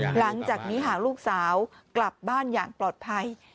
หลังจากนี้หากลูกสาวกลับบ้านอย่างปลอดภัย